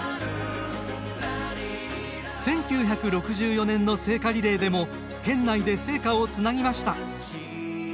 １９６４年の聖火リレーでも県内で聖火をつなぎました。